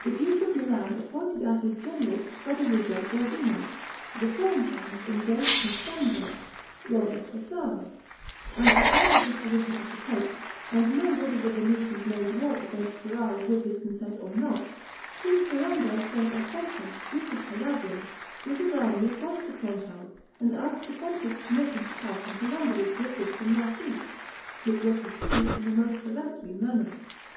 The duke of Milan appointed as his general, Federigo d'Urbino; the Florentines engaged Costanzo, lord of Pesaro; and to sound the disposition of the pope, and know whether the Venetians made war against Ferrara with his consent or not, King Ferrando sent Alfonso, duke of Calabria, with his army across the Tronto, and asked the pontiff's permission to pass into Lombardy to assist the marquis, which was refused in the most peremptory manner.